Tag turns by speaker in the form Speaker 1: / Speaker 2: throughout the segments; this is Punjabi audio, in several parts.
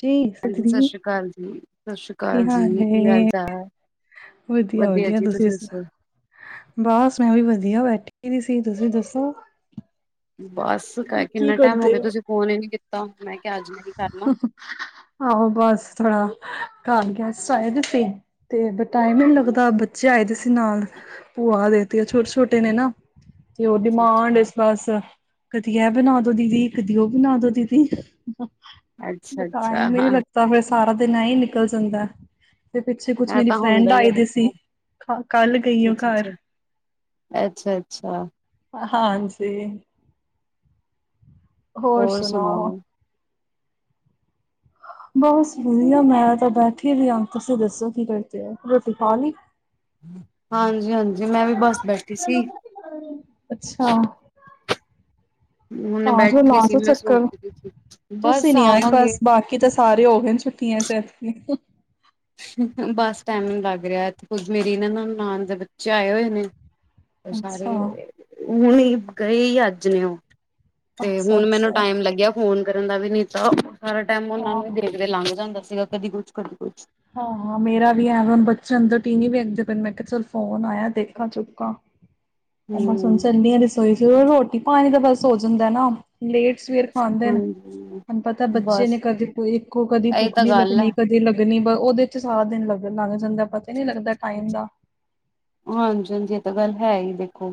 Speaker 1: ਜੀ
Speaker 2: ਹਾਂਜੀ, ਸਤਿ
Speaker 1: ਸ੍ਰੀ
Speaker 2: ਸ਼੍ਰੀ ਅਕਾਲ ਜੀ, ਸਤਿ ਸ਼੍ਰੀ ਅਕਾਲ ਜੀ, ਕੀ ਹਾਲ ਚਾਲ ਹੈ?
Speaker 1: ਵਧੀਆ-ਵਧੀਆ, ਤੁਸੀਂ ਸੁਣਾਓ, ਬਸ ਮੈਂ ਵੀ ਵਧੀਆ ਬੈਠੀ ਕੀ ਕਹਿੰਦੀ ਸੀ ਤੁਸੀਂ ਦੱਸੋ
Speaker 2: ਬਸ
Speaker 1: ਕੀ
Speaker 2: ਕਿੰਨਾ ਟਾਈਮ ਹੋ
Speaker 1: ਕਰਦੇ
Speaker 2: ਗਿਆ ਤੁਸੀਂ ਫੋਨ ਹੀ ਨਹੀਂ ਕੀਤਾ ਮੈਂ ਕਿਹਾ ਅੱਜ ਮੈਂ ਹੀ ਕਰ ਲਾ।
Speaker 1: ਆਹੋ ਬਸ ਥੋੜਾ ਕਰ ਗੈਸਟ ਆਏ ਦੇ ਸੀ ਤੇ ਟਾਈਮ ਹੀ ਨਹੀਂ ਲੱਗਦਾ ਬੱਚੇ ਆਏ ਸੀ ਨਾਲ ਭੂਆ ਦੇ ਤੇ ਆ ਛੋਟੇ-ਛੋਟੇ ਨੇ ਨਾ ਤੇ ਉਹ
Speaker 2: ਅੱਛਾ
Speaker 1: ਡਿਮਾਂਡ
Speaker 2: ਅੱਛਾ
Speaker 1: ਇਸ ਬਸ ਕਦੀ ਇਹ ਬਣਾ ਦੋ ਦੀਦੀ, ਕਦੀ ਉਹ ਬਣਾ ਦੋ ਦੀਦੀ।
Speaker 2: ਅੱਛਾ
Speaker 1: ਬਟ ਟਾਈਮ
Speaker 2: ਅੱਛਾ
Speaker 1: ਨਹੀਂ
Speaker 2: ਹਾਂ
Speaker 1: ਲਗਦਾ ਫਿਰ ਸਾਰਾ ਦਿਨ ਏਹੀ ਨਿਕਲ ਜਾਂਦਾ ਤੇ ਪਿੱਛੇ ਕੁਛ
Speaker 2: ਇਹ
Speaker 1: ਮੇਰੀ
Speaker 2: ਤਾਂ ਹੁੰਦਾ
Speaker 1: ਫਰੈਂਡ
Speaker 2: ਹੀ ਹੈ
Speaker 1: ਆਏ ਦੀ ਸੀ,
Speaker 2: ਦੇਖੋ
Speaker 1: ਕੱਲ ਗਈ ਐ
Speaker 2: ਅੱਛਾ
Speaker 1: ਘਰ।
Speaker 2: ਅੱਛਾ ਅੱਛਾ ਅੱਛਾ
Speaker 1: ਹਾਂਜੀ। ਹੋਰ ਸੁਣਾਓ? ਬਸ ਵਧੀਆ ਮੈਂ ਤਾਂ ਬੈਠੀ ਵੀ, ਤੁਸੀਂ ਦੱਸੋ ਕੀ ਕਰਦੇ ਹੋ ਰੋਟੀ ਖਾ ਲਈ?
Speaker 2: ਹਾਂਜੀ-ਹਾਂਜੀ, ਮੈਂ ਵੀ ਬੱਸ ਬੈਠੀ ਸੀ।
Speaker 1: ਅੱਛਾ।
Speaker 2: ਹੁਣੇ
Speaker 1: ਆ ਜੋ
Speaker 2: ਬੈਠੀ
Speaker 1: ਲਾ
Speaker 2: ਸੀ
Speaker 1: ਜੋ
Speaker 2: ਮੈਂ ਸੋਚ
Speaker 1: ਚੱਕਰ,
Speaker 2: ਰਹੀ ਸੀ
Speaker 1: ਤੁਸੀਂ
Speaker 2: ਬਸ
Speaker 1: ਨੀ ਆਏ
Speaker 2: ਆਵਾਂਗੇ
Speaker 1: ਬਸ ਬਾਕੀ ਤਾਂ ਸਾ ਸਾਰੇ ਹੋ ਗਏ ਛੁੱਟੀਆਂ ਚ।
Speaker 2: ਬਸ ਟਾਈਮ ਨੀ ਲੱਗ ਰਹਿਆ, ਇਥੇ ਕੁਛ ਮੇਰੀ ਨਣਾਨ ਦੇ ਬੱਚੇ ਆਏ ਹੋਏ ਨੇ
Speaker 1: ਅੱਛਾ,
Speaker 2: ਸਾਰੇ ਹੁਣ, ਗਏ ਹੀ ਅੱਜ ਨੇ ਉਹ। ਤੇ ਹੁਣ ਮੈਨੂੰ
Speaker 1: ਅੱਛਾ-ਅੱਛਾ,
Speaker 2: ਟਾਈਮ ਲੱਗਿਆ, ਫੋਨ ਕਰਨ ਦਾ ਵੀ ਨੀ ਤਾਂ ਸਾਰਾ ਟਾਈਮ ਉਹਨਾਂ
Speaker 1: ਹਾਂ।
Speaker 2: ਨੂੰ ਵੀ ਦੇਖਦੇ ਲੰਘ ਜਾਂਦਾ ਸੀਗਾ, ਕਦੀ ਕੁਛ ਕਦੀ ਕੁਛ।
Speaker 1: ਹਾਂ ਮੇਰਾ ਵੀ ਹੈ, ਹੁਣ ਬੱਚਨ ਅੰਦਰ ਟੀਨੀ ਵੀਗਦੇ ਪਏ ਨੇ ਮੈਂ ਕਿਹਾ ਚੱਲ ਫੋਨ ਆਇਆ ਦੇਖਾਂ ਚੁੱਕਾ। ਉਹ
Speaker 2: ਹੂੰ
Speaker 1: ਬਸ ਹੁਣ ਚੱਲੀ ਹਾ ਰਸੋਈ ਚ, ਰੋਟੀ ਪਾਣੀ ਤਾਂ ਬਸ ਹੋ ਜਾਂਦਾ ਨਾ ਲੇਟ ਸਵੇਰ ਖਾਂਦੇ ਨੇ,
Speaker 2: ਹਾਂਜੀ
Speaker 1: ਤੁਹਾਨੂੰ ਪਤਾ ਬੱਚੇ ਨੇ
Speaker 2: ਬਸ
Speaker 1: ਕਦੇ ਕੋਈ ਇੱਕੋ ਕਦੇ
Speaker 2: ਇਹੀ
Speaker 1: ਭੁੱਖ
Speaker 2: ਤਾਂ
Speaker 1: ਨੀ
Speaker 2: ਗੱਲ ਹੈ
Speaker 1: ਲੱਗਣੀ ਕਦੇ ਲ ਲੱਗਨੀ ਉਹਦੇ ਚ ਸਾਰ ਦਿਨ ਲੱਗਣ ਲੱਗ ਜਾਂਦਾ, ਪਤਾ ਹੀ ਨੀ ਲੱਗਦਾ ਟਾਈਮ ਦਾ
Speaker 2: ਹਾਂਜੀ-ਹਾਂਜੀ, ਇਹ ਤਾਂ ਗੱਲ ਹੈ ਹੀ ਦੇਖੋ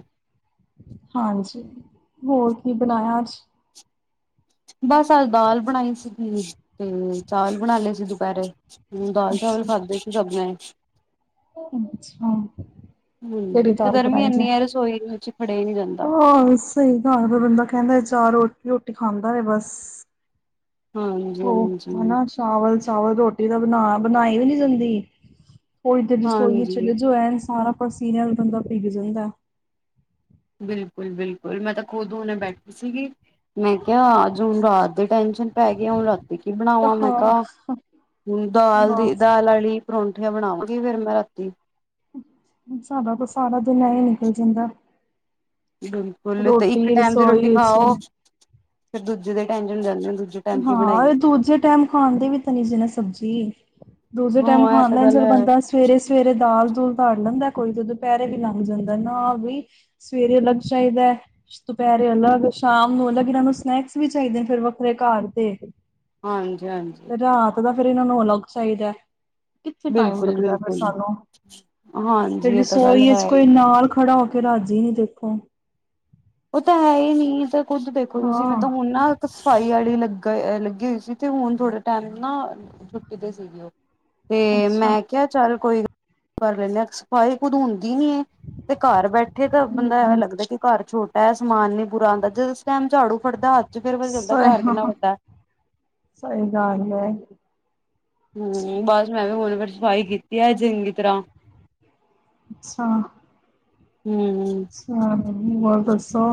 Speaker 1: ਹਾਂਜੀ, ਹੋਰ ਕੀ ਬਣਾਇਆ ਅੱਜ?
Speaker 2: ਬਸ ਅਜ ਦਾਲ ਬਣਾਈ ਸੀਗੀ, ਤੇ ਚਾਵਲ ਬਣਾ ਲਏ ਸੀ, ਦੁਪਹਿਰੇ। ਹੁਣ ਦਾਲ ਚਾਵਲ
Speaker 1: ਅੱਛਾ
Speaker 2: ਖਾਦੇ ਸੀ ਸਬ ਨੇ।
Speaker 1: ਅੱਛਾ,
Speaker 2: ਹਾਂਜੀ
Speaker 1: ਕਿਹੜੀ
Speaker 2: ਤੇ
Speaker 1: ਦਲ
Speaker 2: ਗਰਮੀ
Speaker 1: ਬਨਾਈ ਜੇ?
Speaker 2: ਇੰਨੀ ਹੈ ਰਸੋਈ ਵਿੱਚ ਖੜੇ ਨੀ ਜਾਂਦਾ
Speaker 1: ਹਾ ਸਹੀ ਤਾਂ ਫੇਰ ਬੰਦਾ ਕਹਿੰਦਾ ਚਾਰ ਰੋਟੀ ਖਾਂਦਾ ਹੈ, ਬਸ
Speaker 2: ਹਾਂਜੀ
Speaker 1: ਉਹ
Speaker 2: ਹਾਂਜੀ
Speaker 1: ਹਨਾ ਚਾਵਲ ਚਾਵਲ ਰੋਟੀ ਬਣਾ ਬਣਾਈ ਵੀ ਨੀ ਜਾਂਦੀ [unintelligible] ਰਸੋਈਏ
Speaker 2: ਹਾਂਜੀ
Speaker 1: ਚਲੇ ਜੋ ਐ ਸਾਰਾ ਪਸੀਨੇ ਨਾਲ ਬੰਦਾ ਪਿੱਗ ਜਾਦਾ।
Speaker 2: ਬਿਲਕੁਲ-ਬਿਲਕੁਲ, ਮੈਂ ਤਾਂ ਖੁਦ ਹੁਣੇ ਬੈਠੀ ਸੀਗੀ ਮੈਂ ਕਿਹਾ ਅੱਜ ਹੁਣ ਰਾਤ ਦੇ ਟਾਈਮ ਪੈ ਗਿਆ ਰਾਤੀ ਕੀ ਬਣਾਵਾਂ, ਮੈਂ ਕਿਹਾ
Speaker 1: ਹਾਂ
Speaker 2: ਦਾਲ ਦੀ
Speaker 1: ਬਸ
Speaker 2: ਦਾਲ ਵਾਲੀ ਪਰੋਂਠ ਰਠੀਆਂ ਬਣਾਗੀ ਫੇਰ ਮੈਂ ਰਾਤੀ,
Speaker 1: ਸਾਡਾ ਤੋਂ ਸਾਰਾ ਦਿਨ ਨਿਕਲ ਜਾਂਦਾ।
Speaker 2: ਬਿਲਕੁਲ ਤੇ ਇੱਕ
Speaker 1: ਰੋਟੀ
Speaker 2: ਟੈਮ ਦੀ ਰੋਟੀ
Speaker 1: ਰਸੋਈ ਸੀ
Speaker 2: ਖਾਓ, ਫਿਰ ਦੂਜੇ ਦੇ ਟੈਂਸ਼ਨ ਜਾਂ ਹੁੰ
Speaker 1: ਹਾਂ ਦੂਜੇ ਟਾਈਮ ਖਾਣ ਦੇ ਵੀ ਤਾਂ ਨਾ ਸਬਜ਼ੀ, ਦੂਜੇ ਟਾਈਮ
Speaker 2: ਹਾਂ ਇਹ ਤਾਂ
Speaker 1: ਖਾਂਦਾ,
Speaker 2: ਗੱਲ
Speaker 1: ਚਲ
Speaker 2: ਹੈ
Speaker 1: ਬੰਦਾ ਸਵੇਰੇ-ਸਵੇਰੇ ਦਾਲ ਦੂਲ ਤਰ ਲੈਂਦਾ। ਕੋਈ ਤੇ ਦੁਪਹਿਰੇ ਵੀ ਲੰਘ ਜਾਂਦਾ, ਨਾ ਵੀ ਸਵੇਰੇ ਅਲੱਗ ਚਾਹੀਦਾ ਦੁਪਹਿਰੇ ਅਲੱਗ ਸ਼ਾਮ ਨੂੰ ਲਕਿ ਇਹਨਾਂ ਨੂੰ ਸਨੈਕਸ ਵੀ ਚਾਹੀਦੇ, ਨੇ ਫਿਰ ਵੱਖਰੇ ਘਰ ਤੇ
Speaker 2: ਹਾਂਜੀ-ਹਾਂਜੀ,
Speaker 1: ਫਿਰ ਇਹਨਾਂ ਨੂੰ ਅਲੱਗ ਚਾਹੀਦਾ। ਕਿੱਥੇ ਟਾਈਮ ਲੱਗਦਾ, ਫਿਰ
Speaker 2: ਬਿਲਕੁਲ-ਬਿਲਕੁਲ
Speaker 1: ਸਾਨੂੰ
Speaker 2: ਹਾਂਜੀ
Speaker 1: ਫਿਰ
Speaker 2: ਇਹ ਤਾਂ ਗੱਲ
Speaker 1: ਰਸੋਈ ਚ
Speaker 2: ਹੈ ਹੀ
Speaker 1: ਕੋਈ ਨਾਲ ਖੜਾ ਹੋ ਕਿ ਰਾਜ਼ੀ ਨੀ ਕੋਈ ਦੇਖੋ।
Speaker 2: ਉਹ ਤਾਂ ਹੈ ਹੀ ਨਹੀਂ ਤੇ ਕੁੱਦ ਦੇਖੋ, ਤੁਸੀਂ ਮੈਂ
Speaker 1: ਹਾਂ
Speaker 2: ਤਾਂ ਹੁਣ ਨਾ ਸਫ਼ਾਈ ਵਾਲੀ ਲੱਗੀ। ਲੱਗੀ ਹੋਈ ਸੀ, ਤੇ ਹੁਣ ਥੋੜੇ ਟਾਈਮ ਨਾ ਟੁਟੀ ਦੇ ਸੀਗੇ ਉਹ ਤੇ
Speaker 1: ਅੱਛਾ
Speaker 2: ਮੈਂ ਕਿਹਾ ਚੱਲ ਕੋਈ ਗੱਲ ਕਰ, ਲੈ ਸਫਾਈ ਕਦੋਂ ਹੁੰਦੀ। ਨ ਤੇ ਘਰ ਬੈਠੇ ਤਾਂ ਬੰਦਾ ਐਂ ਲੱਗਦਾ, ਕਿ ਘਰ ਛੋਟ ਪੈ ਸਮਾਨ ਨੀ ਬੁਰਾ ਆਦਾ, ਜਿਸ ਟਾਈਮ ਝਾੜੂ ਫੜਦਾ। ਤੇ ਫਿਰ ਪਤਾ
Speaker 1: ਸ
Speaker 2: ਚਲਦਾ ਘਰ ਕਿੰਨਾ
Speaker 1: ਹਾਂ
Speaker 2: ਵੱਡਾ,
Speaker 1: ਸਹੀ ਗੱਲ ਹੈ
Speaker 2: ਹੂੰ, ਬਸ ਮੈਂ ਵੀ ਉਹਨ ਫਿਰ ਸਫ਼ਾਈ ਕੀਤੀ ਹੈ, ਚੰਗੀ ਤਰ੍ਹਾਂ
Speaker 1: ਅੱਛਾ,
Speaker 2: ਹੂੰ-ਹੂੰ,
Speaker 1: ਅੱਛਾ ਹੋਰ ਦੱਸੋ?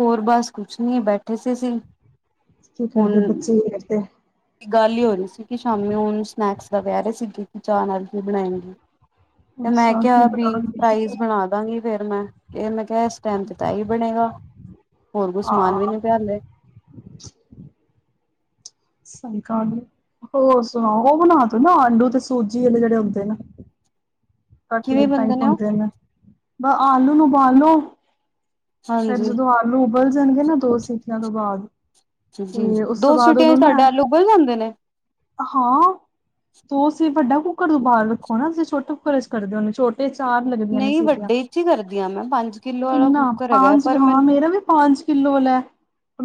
Speaker 2: ਹੋਰ ਬਸ ਕੁਛ ਨਹੀਂ ਬੈਠੇ ਸੀ ਅਸੀ,
Speaker 1: ਕੀ ਕਰਦੇ ਬੱਚੇ? ਕੀ ਦੇੇਖਦੇ?
Speaker 2: ਇੱਕ, ਗੱਲ ਹੀ ਹੋ, ਰਹੀ ਸੀ, ਕਿ ਸ਼ਾਮੀ ਹੁਣ ਸਨੈਕਸ ਦਾ, ਵਿਆਹ ਕੇਹ ਰਹੇ ਸੀਗੇ। ਕਿ ਚਾਹਅ ਨਾਲ, ਕੀ ਬਣਾਏਗੀ। ਤੇ, ਮੈਂ
Speaker 1: ਅੱਛਾ ਕੀ
Speaker 2: ਕਿਹਾ, ਬੀ ਫਰਾਾਈਜ਼
Speaker 1: ਬਣਾਉਣਗੇ
Speaker 2: ਬਣਾ ਦਾਂਗੀ। ਫੇਰ, ਮੈਂ, ਫੇਰ ਮੈਂ ਕਿਹਾ, ਇਸ ਟਾਈਮ ਤੇ, ਤਾਂ, ਏ ਹੀ ਬਣੇਗਾ। ਹੋਰ, ਕੋਈ ਸਮਾਨ ਵੀ,
Speaker 1: ਹਾਂ
Speaker 2: ਨਹੀਂ, ਪਿਆ ਆਲੇ।
Speaker 1: ਸਕਾਲ। ਹੋਰ ਸੁਣਾਓ? ਉਹ ਬਣਾ ਦੋ ਨਾ, ਆਲੂ ਤੇ ਸੂਜੀ ਜਿਹੜੇ ਆਉਦੇ ਨੇ।
Speaker 2: ਕਿਵੇਂ
Speaker 1: ਕਟਲੇਟ
Speaker 2: ਬੰਦੇ
Speaker 1: ਟਾਈਪ,
Speaker 2: ਉਹ
Speaker 1: ਹੁੰਦੇ ਨੇ, ਬ ਆਲੂ ਊਬਾਲੋ। ਫੇਰ
Speaker 2: ਹਾਂਜੀ
Speaker 1: ਜਦੋਂ, ਆਲੂ ਉਬਲ ਜਾਣਗੇ ਨਾ। ਦੋ ਸੀਖੀਆਂ ਤੋਂ ਬਾਅਦ। ਤੇ ਉਸ ਤੋਂ
Speaker 2: ਦੋ,
Speaker 1: ਬਾਅਦ
Speaker 2: ਸਿਟੀਆਂ ਚ
Speaker 1: ਉਹਨੂੰ
Speaker 2: ਤੁਹਾਡੇ
Speaker 1: ਨਾ
Speaker 2: ਆਲੂ ਓਬਲ ਜਾਂਦੇ ਨੇ।
Speaker 1: ਹਾਂ। ਤੂੰ ਅਸੀਂ ਵੱਡਾ ਕੁੱਕਰ ਤੋਂ ਓਬਾਲ ਰੱਖੋ ਨਾ, ਤੁਸੀਂ ਛੋਟੇ ਕੁੱਕਰ, ਕਰਦੇ ਹੋ। ਛੋਟ- ਤੇ ਚਾਰ ਲੱਗਦੀਆਂ ਨੇ
Speaker 2: ਨਹੀਂ
Speaker 1: ਸੀਟੀਆਂ।
Speaker 2: ਵੱਡੇ ਚ ਹੀ ਕਰਦੀ ਆ ਮੈਂ ਪੰਜ ਕਿੱਲੋ ਵਾਲਾ
Speaker 1: ਕਿੰਨਾ?
Speaker 2: ਕੁੱਕਰ ਹੈਗਾ
Speaker 1: ਪੰਜ
Speaker 2: ਪਰ
Speaker 1: ਹਾਂ।
Speaker 2: ਮੈਨੂੰ
Speaker 1: ਮੇਰਾ ਵੀ ਪੰਜ। ਕਿੱਲੋ ਲੈ।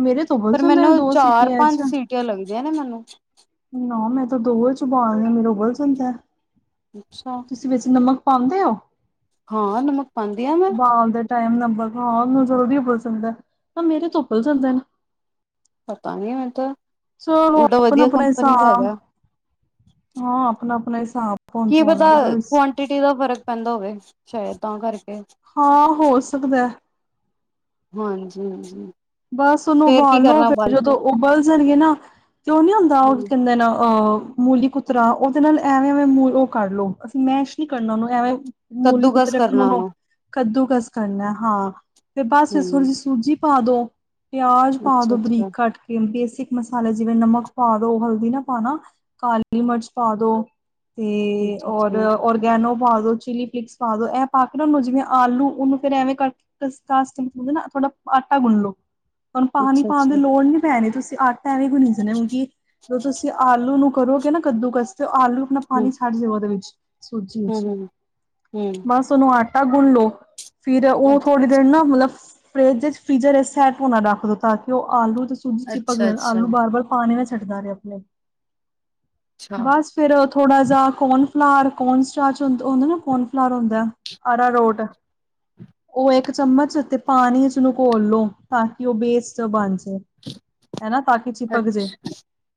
Speaker 1: ਮੇਰੇ ਤੇ ਓਬਲ
Speaker 2: ਪਰ
Speaker 1: ਜਾਂਦੇ
Speaker 2: ਮੈਨੂੰ
Speaker 1: ਨੇ, ਦੋ
Speaker 2: ਚਾਰ
Speaker 1: ਸੀਟੀਆਂ
Speaker 2: ਪੰਜ
Speaker 1: ਚ।
Speaker 2: ਸੀਟੀਆਂ ਲੱਗਦੀਆਂ ਨੇ ਮੈਨੂੰ
Speaker 1: ਨਾ। ਮੈਂ ਤਾਂ, ਦੋਵੇ ਚ ਓਬਾਲਦੀ ਮੇਰਾ ਓਬਲ ਜਾਂਦਾ ਏ।
Speaker 2: ਅੱਛਾ
Speaker 1: ਵਿੱਚ ਨਮਕ ਪਾਉਂਦੇ ਹੋ?
Speaker 2: ਹਾਂ ਨਮਕ ਪਾਉਂਦੀ ਆ ਮੈਂ
Speaker 1: ਉਬਾਲਦੇ ਟਾਈਮ ਨ- ਬਗਵਾਨ ਨੂੰ ਜਲਦੀ ਉਬਲ ਜਾਣਦੇ ਨੇ, ਪਰ ਮੇਰੇ ਤੋਂ ਉਬਲ ਜਾਂਦੇ ਨੇ।
Speaker 2: ਪਤਾ ਨੀ, ਮੈਂ ਤਾਂ,
Speaker 1: ਚਲੋ
Speaker 2: ਉਲਟਾ ਵਧੀਆ, ਕੰਪਨੀ ਦਾ ਹੈਗਾ।
Speaker 1: ਹ ਆਪਣਾ- ਆਪਣਾ ਹਿਸਾਬ ।
Speaker 2: ਕੀ ਪਤਾ, ਕੁਆਂਟਿਟੀ ਦਾ ਫ਼ਰਕ ਪੈਂਦਾ ਹੋਵੇ। ਸ਼ਾਇਦ ਤਾਂ, ਕਰਕੇ।
Speaker 1: ਹਾਂ। ਹੋ, ਸਕਦਾ ਹੈ।
Speaker 2: ਹਾਂਜੀ- ਹਾਂਜੀ।
Speaker 1: ਬਸ ਉਹਨੂੰ
Speaker 2: ਫੇਰ ਕੀ
Speaker 1: ਉਬਾਲੋ,
Speaker 2: ਕਰਨਾ
Speaker 1: ਫੇਰ
Speaker 2: ਉਬਾਲ ਕੇ
Speaker 1: ਜਦੋਂ ਉਬਲ ਜਾਣਗੇ ਨਾ। ਤੇ ਉਹ ਨੀ ਹੁੰਦਾ,
Speaker 2: ਹੂੰ
Speaker 1: ਉਹ ਕਹਿੰਦੇ ਨੇ। ਅਹ ਮੂਲੀ ਕੁੂਤਰਾ ਉਹਦੇ ਨਾਲ ਐਵੇਂ, ਐਵੇਂ ਮ ਉਹ ਕਰ ਲਓ, ਅਸੀਂ ਮੈਸ਼ ਨੀ ਕਰਨਾ ਉਹਨੂੰ ਐਵੇਂ। ਮੂਲੀ
Speaker 2: ਕੱਦੂਕਸ
Speaker 1: ਕੁੱਤਰਨੂ
Speaker 2: ਕਰਨਾ
Speaker 1: ਰੱਖਣ,
Speaker 2: ਉਹਨੂੰ
Speaker 1: ਕੱਦੂ। ਕਸ ਕਰਨਾ ਹੈ, ਹਾਂ। ਤੇ, ਬਸ ਫ ਥੋੜੀ,
Speaker 2: ਹੂੰ
Speaker 1: ਜਿਹੀ ਸੂਜੀ ਪਾ ਦੋ। ਪਿਆਜ ਪਾ
Speaker 2: ਅੱਛਾ
Speaker 1: ਦੋ, ਬਰੀਕ
Speaker 2: ਅੱਛਾ
Speaker 1: ਕੱਟ ਕੇ। ਬੇਸ- ਕ ਮਸਾਲਾ ਜਿਵੇਂ ਨਮਕ ਪਾ ਦੋ, ਹਲਦੀ ਨਾ ਪਾਉਣਾ ਕਾਲੀ ਮਿਰਚ ਪਾ ਦੋ। ਤੇ,
Speaker 2: ਅੱਛਾ
Speaker 1: ਔਰ,
Speaker 2: ਅੱਛਾ
Speaker 1: ਔਰਗੈਨੋ। ਪਾ ਦੋ, ਚਿਲੀ ਫਲੇਕਸ ਪਾ ਦੋ। ਐਂ ਪਾ ਕੇ ਨਾ ਉਹਨੂੰ, ਜਿਵੇਂ ਆਲੂ ਉਹਨੂੰ ਫਿਰ, ਐਵੇਂ ਕਰ ਕੇ ਹੁੰਦੇ ਨਾ ਥੋੜ ਆਟਾ ਗੁਨ ਲੋ। ਹੁਣ, ਪਾਣੀ
Speaker 2: ਅੱਛਾ
Speaker 1: ਪਾਉਣ ਦੀ
Speaker 2: ਅੱਛਾ
Speaker 1: ਲੋੜ ਨੀ ਪੈਣੀ। ਤੁਸੀ ਆਟਾ ਐਵੇਂ ਹੀ, ਗੁਣੀ ਜਾਇਓ ਗੇ, ਕਿਉਕਿ ਜੋ ਤੁਸੀ ਆਲੂ ਨੂੰ ਕਰੋਗੇ ਨਾ ਕਦੂ ਕਸ, ਤੇ ਆਲੂ ਆਪਣਾ
Speaker 2: ਹੂੰ
Speaker 1: ਪਾਣੀ ਛਡ ਜਾਓ, ਉਹਦੇ ਵਿਚ। ਸੂਜੀ,
Speaker 2: ਹੂੰ ਹੂੰ ਹੂੰ
Speaker 1: ਬੱਸ ਉਹਨੂੰ ਆਟਾ ਗੁਨ ਲੋ। ਫੇਰ, ਉਹ ਥੋੜੀ ਦੇਰ ਨਾ, ਮਤਲਬ ਫਰਿਜ ਵਿਚ। ਫੀਰੀਜ਼ਰ, ਸੈੱਟ ਹੋਣਾ ਰਖ ਦੋ। ਤਾਂ ਕਿ ਉਹ ਆਲੂ ਸੂਜੀ
Speaker 2: ਅੱਛਾ
Speaker 1: ਚਿਪਕੇ,
Speaker 2: ਅੱਛਾ
Speaker 1: ਆਲੂ ਬਾਰ- ਬਾਰ ਪਾਣੀ ਨਾਲ ਛਡਦਾ ਰਿਹਾ। ਆਪਣੇ
Speaker 2: ਅੱਛਾ,
Speaker 1: ਬਸ ਫੇਰ, ਥੋੜਾ ਜਾ, ਕੌਣ ਫਲਾਰ ਕੋਨ ਸਟਾਚ, ਜੋ ਹੁੰਦਾ, ਕੋਨ ਫਲਾਰ ਹੁੰਦਾ। ਆਰਾ ਰੋਟ। ਉਹ ਇਕ ਚਮਚ, ਤੇ ਪਾਣੀ ਇਸਨੂੰ ਘੋਲ ਲੋ, ਤਾਂ ਕਿ ਉਹ ਪੇਸਟ ਜਾ ਬਣ ਜਾਏ। ਹੈ ਨਾ। ਤਾਂ ਕਿ,
Speaker 2: ਅੱ
Speaker 1: ਚੀਪਕ ਜੇ,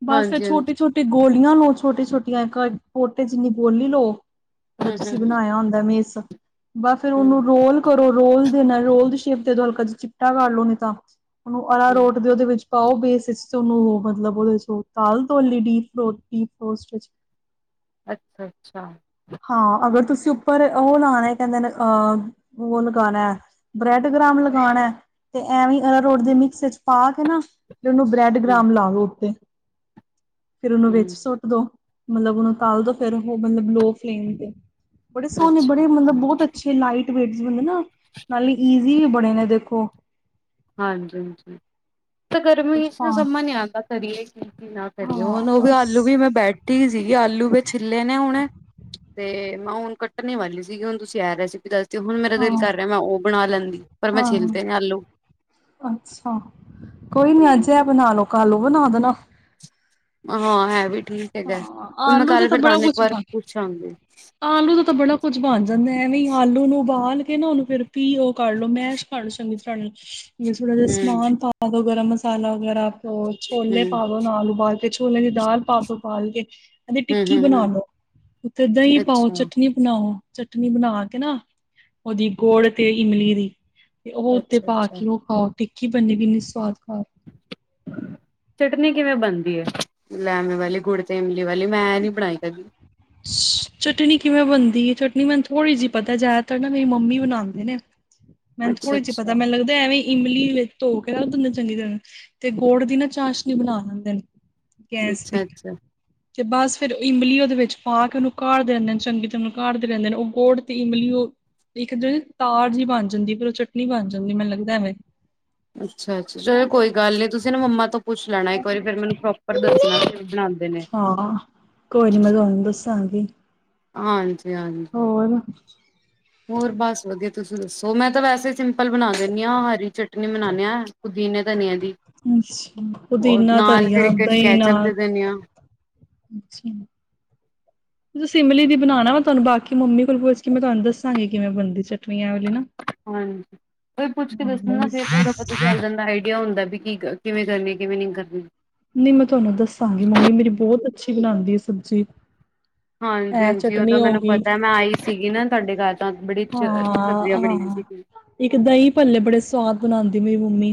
Speaker 1: ਬਸ ਫੇਰ,
Speaker 2: ਹਾਂਜੀ ਹਾਂਜੀ,
Speaker 1: ਛੋਟੀ- ਛੋਟੀ, ਗੋਲ ਲਓ ਛੋਟੇ ਛੋਟੀਆਂ ਇਕ, ਪੋਟੇ ਜਿਨੀ, ਗੋਲੀ ਲਓ। ਜਿਹੜਾ
Speaker 2: ਹੂੰ
Speaker 1: ਤੁਸੀ
Speaker 2: ਹੂੰ
Speaker 1: ਬਣਾਇਆ ਹੁੰਦਾ ਮਿਸ ਬਸ ਫੇਰ,
Speaker 2: ਹੂੰ,
Speaker 1: ਉਹਨੂੰ ਰੋਲ, ਕਰੋ ਰੋਲ, ਦੇ ਨਾਲ ਰੋਲ ਦੀ ਸ਼ੇਪ ਦੇ ਦੋ। ਹਲਕਾ ਜਿਹਾ, ਚਿਪਟਾ ਕਰ ਲਓ। ਨਹੀ ਤਾਂ ਉਹਨੂੰ, ਅਰਾ
Speaker 2: ਹੂੰ ਹੂੰ,
Speaker 1: ਰੋਟ ਦੇ, ਉਹਦੇ ਵਿਚ। ਪਾਓ ਬੇਸ ਵਿਚ ਉਹਨੂੰ, ਮਤਲਬ ਉਹਦੇ ਚ ਤਾਲ ਧੋ ਲਈ ਡੀਪ ਡੀਪੋਸਟ ਵਿਚ
Speaker 2: ਅਛਾ- ਅਛਾ।
Speaker 1: ਚ, ਉਪਰ ਉਹ ਲਾਉਣਾ, ਕਹਿਦੇ ਨੇਹ ਉਹ, ਲਗਾਉਣਾ ਹੈ। ਬ੍ਰੈਡਕਮ ਲਗਾਉਣਾ ਤੇ ਐਵੇ ਅਰਾ ਰੋਟ ਦੀ ਮਿਕਸ ਚ ਪਾ ਕੇ ਨਾ, ਉਹਨੂੰ
Speaker 2: ਹੂੰ
Speaker 1: ਬ੍ਰੈਡਕ੍ਮ ਲਾ ਲੋ ਉਤੇ ਫੇਰ ਉਹਨੂੰ ਵਿਚ
Speaker 2: ਹੂੰ,
Speaker 1: ਸੁੱਟ ਦੋ। ਮਤਲਬ ਉਹਨੂੰ ਤਾਲ ਦੋ। ਫੇਰ ਉਹ ਮਤਲਬ ਲੋ ਫਲੇਮ ਤੇ। ਬੜੇ ਸੋਹਣੇ,
Speaker 2: ਅੱਛਾ।
Speaker 1: ਬੜੇ ਮਤਲਬ, ਬਹੁਤ ਅਛੇ, ਲਾਈਟ ਦੇ ਨਾ ਨਾਲੇ, ਈਜੀ ਵੀ ਬਣੇੇ ਨੇ ਦੇਖੋ।
Speaker 2: ਹਾਂਜੀ -ਹਾਂਜੀ, ਤਾਂ ਗਰਮੀ
Speaker 1: ਕੁਛ
Speaker 2: ਇਸ,
Speaker 1: ਹਾਂ
Speaker 2: ਸਮਝ ਨੀ ਆਉਦਾ, ਕਰੀਏ ਕਿ। ਕਿ ਨਾ ਕਰੀਏ,
Speaker 1: ਹਾਂ ਬਸ
Speaker 2: ਨੇ ਹੁਣੇ ਤੇ ਮੈਂ ਹੁਣ ਕਟਣੇ ਵਾਲੀ ਸੀਗੀ, ਹੁਣ ਤੁਸੀ ਇਹ ਰੈਸਿਪੀ ਦਸ ਤੇ ਹੁਣ ਮੇਰਾ
Speaker 1: ਹਾਂ
Speaker 2: ਦਿਲ ਕਰ ਰਿਹਾ ਮੈਂ ਉਹ ਬਣਾ ਲੈਦੀ ਪਰ ਮੈਂ
Speaker 1: ਹਾਂ
Speaker 2: ਛਿਲਤ ਨੇ ਆਲੂ
Speaker 1: ਅੱਛਾ ਕੋਈ ਨੀ ਅਜ ਇਹ ਬਣਾ ਲੋ, ਕਲ ਨੂੰ ਔ ਬਣਾ ਦੇਣਾ
Speaker 2: ਹਾਂ ਹੈ ਵੀ ਠੀਕ ਹੈਗਾ।
Speaker 1: ਹਾਂ
Speaker 2: ਮੈਂ
Speaker 1: ਆਲੂ ਦਾ
Speaker 2: ਕੱਲ
Speaker 1: ਤੇ
Speaker 2: ਫਿਰ
Speaker 1: ਬੜਾ
Speaker 2: ਤੁਹਾਨੂੰ ਇੱਕ
Speaker 1: ਕੁਛ
Speaker 2: ਵਾਰ
Speaker 1: ਬਣ
Speaker 2: ਪੁੱਛਾਂਗੀ,
Speaker 1: ਆਲੂ ਦਾ ਤਾਂ ਬੜਾ ਕੁੱਝ ਬਣ ਜਾਂਦਾ, ਐਵੀ ਆਲੂ ਨੂੰ ਬਾਲ ਨਾ ਉਹਨੂੰ ਫਿਰ ਵੀ ਉਹ ਕਰਲੋ, ਮੈਂਸ਼ ਕਰਲੋ ਚੰਗੀ ਤਰ੍ਹਾ ਨਾਲ ਥੋੜਾ ਜਿਹਾ
Speaker 2: ਹੂੰ
Speaker 1: ਸਮਾਨ ਪਾ ਦੋ ਗਰਮ ਮਸਾਲਾ ਵਗੈਰਾ, ਛੋਲੇ
Speaker 2: ਹੂੰ,
Speaker 1: ਪਾ ਦੋ ਉਬਾਲ ਕੇ ਛੋਲੇ ਦੀ ਦਾਲ ਪਾ ਦੋ ਕਦੀ
Speaker 2: ਹੂੰ
Speaker 1: ਟਿਕੀ
Speaker 2: ਹੂੰ
Speaker 1: ਬਣਾ
Speaker 2: ਹੂੰ,
Speaker 1: ਲਓ, ਉਤੇ ਦਹੀ ਪਾਓ
Speaker 2: ਅੱਛਾ।
Speaker 1: ਚਟਨੀ ਬਣਾਓ ਚਟਨੀ ਬਣਾ, ਕੇ ਨਾ ਉਹਦੀ ਗੁੜ ਤੇ ਇਮਲੀ ਦੀ ਉਹ ਉਤੇ
Speaker 2: ਅੱਛਾ
Speaker 1: ਪਾ
Speaker 2: ਅੱਛਾ,
Speaker 1: ਕੇ ਉਹ ਖਾਓ, ਟਿਕੀ ਬਨੀ ਵੀ ਇਨੀ ਸਵਾਦ ਖਾ
Speaker 2: ਚਟਨੀ ਕਿਵੇਂ ਬਣਦੀ ਹੈ, ਲੈਮੇ ਵਾਲੀ ਗੁੜ ਤੇ ਇਮਲੀ ਵਾਲੀ ਮੈਂ ਨੀ ਬਣਾਈ ਹੈਗੀ
Speaker 1: ਚਟਨੀ ਕਿਵੇ ਬਣਦੀ ਹੈ, ਚਟਨੀ ਮੈਨੂੰ ਥੋੜੀ ਜਿਹੀ ਪਤਾ ਯ ਮੇਰੀ ਮੰਮੀ ਬਣਾਦੇ ਨੇ, ਮੈਨੂੰ
Speaker 2: ਅੱਛਾ
Speaker 1: ਥੋੜ੍ਹੀ ਜਿਹੀ ਪਤਾ
Speaker 2: ਅੱਛਾ
Speaker 1: ਮੈਨੂ ਲੱਗਦਾ ਐਵੇ ਵੀ ਇਮਲੀ ਵਿਚ ਧੋ ਕੇ, ਉਹ ਨੂੰ ਚੰਗੀ ਤਰ੍ਹਾਂ ਤੇ ਗੋੜ ਦੀ ਨਾ ਚਾਸ਼ਨੀ ਬਣਾ ਲਿਦੇ ਨੇ
Speaker 2: ਅੱਛਾ-ਅੱਛਾ,
Speaker 1: ਅਤੇ ਬਸ ਫਿਰ ਇਮਲੀ ਉਹਦੇ ਵਿਚ ਪਾ ਕੇ ਉਹਨੂੰ ਕਾਡਦੇ ਦੇ ਰਹਿੰਦੇ ਨੇ ਚੰਗੀ ਤਰ੍ਹਾਂਨੂੰ ਕਾਡਦੇ ਰਹਿੰਦੇ ਨੇ, ਉਹ ਗੋੜ ਤੇ ਇਮਲੀ ਇਕ ਜਿਹੜੀ ਤਾਰ ਜਿਹੀ ਬਣ ਜਾਦੀ, ਫੇਰ ਉਹ ਚਟਨੀ ਬਣ ਜਾਦੀ ਮੈਨੂੰ ਲਗਦਾ ਵੇਂ
Speaker 2: ਅੱਛਾ-ਅੱਛਾ, ਚਲੋ ਕੋਈ ਗੱਲ ਨੀ ਤੁਸੀ ਨਾ ਮੰਮਾ ਤੋਂ ਪੁਛ ਲੈਣਾ ਇਕ ਵਾਰੀ ਫੇਰ ਮੈਨੂੰ ਪ੍ਰੋਪਰ ਦਸਣਾ ਵੀ ਉਹ ਬਣਾਦੇ ਨੇ
Speaker 1: ਹਾਂਜੀ।
Speaker 2: ਹਾਂਜੀ-ਹਾਂਜੀ ਹੋਰ ਬਸ ਵਧੀਆ ਤੁਸੀ ਦੱਸੋ?
Speaker 1: ਅੱਛਾ
Speaker 2: ਉਹ
Speaker 1: ਪੁਦੀਨਾ
Speaker 2: ਨਾਲ ਫਿਰ
Speaker 1: ਧਰੀਆ
Speaker 2: ਇੱਕ
Speaker 1: ਦਹੀ
Speaker 2: ਕੈਚਅਪ
Speaker 1: ਨਾਲ
Speaker 2: ਦੇ ਦਿੰਦੇ ਹਾਂ
Speaker 1: ਅੱਛਾ, ਇਮਲੀ ਬਣਾਣਾ ਮੈਂ ਤੁਹਾਨੂੰ ਬਾਕੀ ਮੰਮੀ ਕੋਲ ਪੁੱਛ ਕੇ ਮੈਂ ਤੁਹਾਨੂੰ ਦੱਸਾਂਗੀ, ਕਿਵੇਂ ਬਣਦੀ ਐ ਚਟਨੀ। ਐ ਵਾਲੀ ਨਾ
Speaker 2: ਹਾਂਜੀ, ਕੋਈ ਪੁੱਛ ਕੇ
Speaker 1: ਹਾਂ
Speaker 2: ਦੱਸਣ, ਨਾ
Speaker 1: ਬਸ
Speaker 2: ਫਿਰ ਪਤਾ ਚੱਲ ਜਾਂਦਾ ਆਈਡੀਆ ਹੁੰਦਾ। ਵੀ ਕੀ ਕਿਵੇਂ ਕਰਨੀ, ਕਿਵੇਂ ਨਹੀਂ ਕਰਨੀੇ।
Speaker 1: ਨਹੀਂ ਮੈਂ ਤੁਹਾਨੂੰ ਦੱਸਾਂਗੀ, ਮੰਮੀ ਮੇਰੀ ਬਹੁਤ ਅੱਛੀ ਬਣਾਦੀ ਹੈ ਸਬਜ਼ੀ ਇਹ
Speaker 2: ਹਾਂਜੀ-ਹਾਂਜੀ ਉਹ
Speaker 1: ਚਟਨੀ
Speaker 2: ਤਾਂ
Speaker 1: ਹੋ
Speaker 2: ਮੈਨੂੰ ਪਤਾ ਮੈਂ ਆਈ ਸੀਗੀ, ਨਾ ਤੁਹਾਡੇ ਘਰ ਤਾਂ ਬੜੀ ਅੱਛੀ ਸਬਜ਼ੀਆਂ ਬਣੀਆਂ
Speaker 1: ਹਾਂ-ਹਾਂ,
Speaker 2: ਸੀਗੀਆਂ।
Speaker 1: ਇੱਕ ਦਹੀਂ ਭੱਲੇ ਬੜੇ ਸਵਾਦ ਬਣਾਦੇ। ਮੇਰੀ ਮੰਮੀ,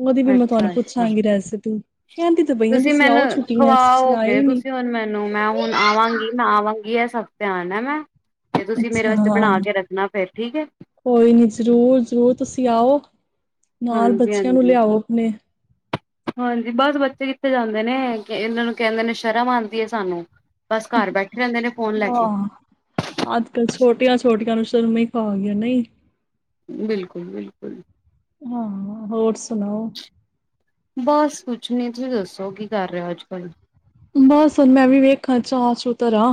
Speaker 1: ਉਹਦੀ ਵੀ ਮੈਂ ਤੁਹਾਨੂੰ
Speaker 2: ਅੱਛਾ ਅੱਛਾ
Speaker 1: ਪੁੱਛਾਂਗੀ, ਰੈਸਿਪੀ ਕਹਿੰਦੀ ਤੇ ਪਈਆਂ ਤੁਸੀਂ
Speaker 2: ਮੈਨੂੰ
Speaker 1: ਆਓ ਛੁੱਟੀਆਂ ਤੁਸੀਂ ਆਏ
Speaker 2: ਖਵਾਓਗੇ
Speaker 1: ਹੀ ਨੀ।
Speaker 2: ਤੁਸੀਂ ਹੁਣ ਮੈਨੂੰ ਮੈਂ ਹੁਣ ਆਵਾਂਗੀ ਮੈਂ ਆਵਾਂਗੀ, ਇਹ ਸਭ ਧਿਆਨ ਹੈ ਮੈਂ ਤੇ ਤੁਸੀਂ ਮੇਰੇ
Speaker 1: ਅੱਛਾ
Speaker 2: ਵਾਸਤੇ ਬਣਾ ਕੇ, ਰੱਖਣਾ ਫੇਰ ਠੀਕ ਹੈ।
Speaker 1: ਕੋਈ ਨੀ ਜ਼ਰੂਰ-ਜ਼ਰੂਰ ਤੁਸੀਂ ਆਓ, ਨਾਲ
Speaker 2: ਹਾਂਜੀ
Speaker 1: ਬੱਚਿਆਂ ਨੂੰ
Speaker 2: ਹਾਂਜੀ
Speaker 1: ਲਿਆਓ ਆਪਣੇ
Speaker 2: ਹਾਂਜੀ ਬਹੁਤ ਬੱਚੇ ਕਿੱਥੇ ਜਾਂਦੇ ਨੇ, ਇਹਨਾਂ ਨੂੰ ਕਹਿੰਦੇ ਨੇ ਸ਼ਰਮ ਆਦੀ ਐ ਸਾਨੂੰ ਬਸ ਘਰ ਬੈਠੇ ਰਹਿੰਦੇ ਨੇ ਫੋਨ ਲੈ ਕੇ
Speaker 1: ਹਾਂ ਅੱਜ-ਕੱਲ, ਛੋਟੀਆਂ-ਛੋਟੀਆਂ ਨੂੰ ਉਮੇ ਖਾ ਗਿਆ ਨਹੀਂ,
Speaker 2: ਬਿਲਕੁਲ-ਬਿਲਕੁਲ,
Speaker 1: ਹਾਂ, ਹੋਰ ਸੁਣਾਓ?
Speaker 2: ਬਸ ਕੁਛ ਨੀ, ਤੁਸੀਂ ਦੱਸੋ ਕੀ ਕਰ ਰਹੇ ਔ ਅੱਜ-ਕੱਲ?
Speaker 1: ਬਸ ਮੈਂ ਵੀ ਵੇਖਾ ਚ ਆ ਚੂ ਤਰਾ,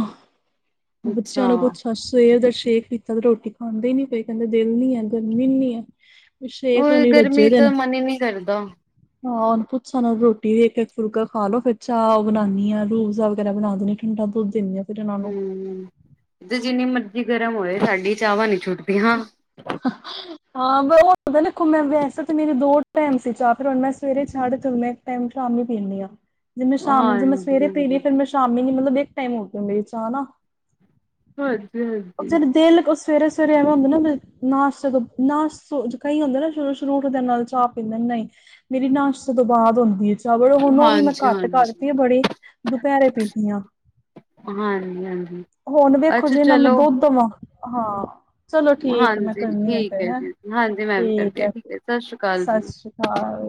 Speaker 2: ਅੱਛਾ
Speaker 1: ਬੱਚਿਆਂ ਨੂੰ ਪੁਛਾ ਸਵੇਰ ਦੇ, ਸ਼ੇਕੀ ਤੇ ਰੋਟੀ ਖਾਂਦੇ ਹੀ ਨੀ ਪਏ, ਕਹਿੰਦੇ ਦਿਲ ਨੀ ਹੈ ਗਰਮੀ ਨੀ ਹੈ। ਛੇ
Speaker 2: ਉਹ
Speaker 1: ਕੋਨੀ
Speaker 2: ਗਰਮੀ
Speaker 1: ਵੱਜੇ ਦੇ,
Speaker 2: ਤਾਂ ਮਨ ਹੀ ਨਹੀਂ ਕਰਦਾ
Speaker 1: ਹਾਂ ਉਹਨੂੰ ਪੁੱਛ ਰੋਟੀ ਵੀ ਇੱਕ-ਇੱਕ ਫੁਲਕਾ ਖਾ ਲੋ, ਫਿਰ ਚਾਹ ਉਹ ਬਣਾਨੀ ਆ ਰੂਜ਼ਾ ਵਗੈਰਾ ਬਣਾ ਦੇਣੀ ਠੰਡਾ। ਦੱਧ ਦਿੰਦੀ ਹਾਂ ਫਿਰ ਇਹਨਾਂ ਨੂੰ
Speaker 2: ਧ ਜਿੰਨੀ ਮਰਜ਼ੀ ਗਰਮ ਹੋਏ ਸਾਡੀ ਚਾਹਵ ਨੀ ਛੁਟੀ
Speaker 1: ਹਾਂ ਬ ਪਤਾ ਦੇਖੋ ਮੈਂ ਵੈਸੇ ਤਾਂ ਮੇਰੇ ਦੋ ਟਾਈਮ ਸੀ ਚਾਹ ਫਿਰ ਹੁਣ ਮੈਂ ਸਵੇਰੇ ਛੱਡਤੀ ਤੇ ਹੁਣ ਮੈਂ ਇੱਕ ਟਾਈਮ ਸ਼ਾਮੀ ਪੀਨੀ ਹਾਂ। ਜਿ ਮੈਂ ਸ਼ਾਮ ਜੇ ਮੈਂ
Speaker 2: ਹਾਂਜੀ
Speaker 1: ਸਵੇਰੇ
Speaker 2: ਹਾਂਜੀ
Speaker 1: ਪੀਲੀ ਫੇਰ ਮੈਂ ਸ਼ਾਮੀ ਨੀ ਮਤਲਬ ਇੱਕ ਟਾਈਮ ਹੋ ਗਿਆ ਮੇਰੀ ਚਾ ਨਾ।
Speaker 2: ਹਾਂ
Speaker 1: ਉਸ ਫਿਰ ਦਿਲ ਉਸ ਸਵੇਰੇ ਸਵੇਰੇ ਐਵੇਂ ਹੁੰਦਾ ਨਾ ਨਾਸ਼ਤੇ ਨਾਸ ਕਈ ਹੁੰਦੇ ਨਾ ਸ਼ ਸਵੇਰੇ ਉਠਦੇ ਨਾਲ ਚਾ ਪੀਦੇ ਨੇ। ਨਹੀਂ ਮੇਰੀ ਨਾਸ਼ਤ ਤੋਂ ਬਾਅਦ ਹੁੰਦੀ ਹੈ ਚ ਚਵਲ ਹੁਣ ਉਹ ਵੀ ਮੈਂ
Speaker 2: ਹਾਂਜੀ
Speaker 1: ਘੱਟ
Speaker 2: ਹਾਂਜੀ
Speaker 1: ਕਰਤੀ ਆ ਬੜੀ ਦੁਪਹਿਰੇ ਪੀਨੀ ਆ।
Speaker 2: ਹਾਂਜੀ ਹਾਂਜੀ
Speaker 1: ਹੁਣ ਵੇਖੋ
Speaker 2: ਅੱਛਾ
Speaker 1: ਜੇ ਇਹਨਾਂ ਨੂੰ
Speaker 2: ਚਲੋ।
Speaker 1: ਦੁੱਧ ਦਵਾ ਹਾਂ। ਚਲੋ ਠੀਕ ਮੈਂ
Speaker 2: ਹਾਂਜੀ
Speaker 1: ਕਰਨੀ ਆ
Speaker 2: ਠੀਕ
Speaker 1: ਫੇਰ ਹੈ
Speaker 2: ਜੀ ਹਾਂਜੀ ਮੈਂ ਵੀ
Speaker 1: ਠੀਕ
Speaker 2: ਕਰਦੀ ਹਾਂ
Speaker 1: ਹੈ
Speaker 2: ਠੀਕ ਸਤਿ ਸ੍ਰੀ ਅਕਾਲ ਜੀ।
Speaker 1: ਸਸ ਸ੍ਰੀ ਕਾਲ।